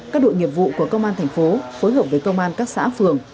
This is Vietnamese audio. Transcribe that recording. các đội nghiệp vụ của công an tp nha trang phối hợp với công an các xã phường